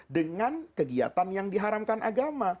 dengan kegiatan yang diharamkan agama